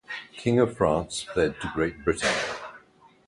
King of France fled to Great Britain.